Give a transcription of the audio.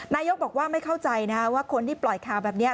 นายกบอกว่าไม่เข้าใจนะว่าคนที่ปล่อยข่าวแบบนี้